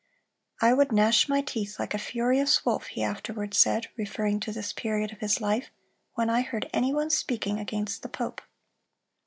"I would gnash my teeth like a furious wolf," he afterward said, referring to this period of his life, "when I heard any one speaking against the pope."